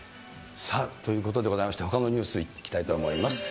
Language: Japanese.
ということでございまして、ほかのニュースいきたいと思います。